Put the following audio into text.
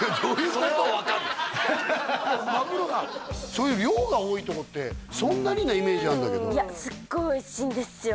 それは分かるよそういう量が多いとこってそんなになイメージあるんだけどいやすっごいおいしいんですよ